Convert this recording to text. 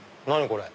これ。